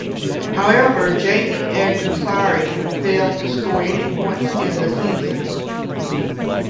However, Jaime Alguersuari failed to score any points in the season.